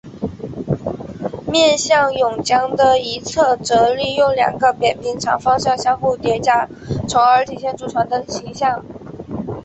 面向甬江的一侧则利用两个扁平长方形相互叠加从而体现出船的形象。